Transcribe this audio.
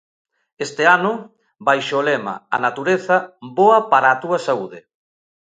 Este ano, baixo o lema: A natureza, boa para a túa saúde.